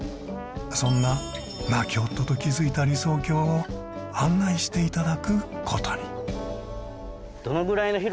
そんな亡き夫と築いた理想郷を案内していただく事に。